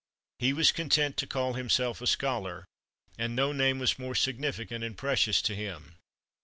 He was content to call himself a scholar, and no name was more significant and precious to him.